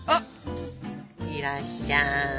いらっしゃい。